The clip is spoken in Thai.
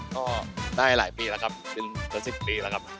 ก็ได้หลายปีแล้วครับ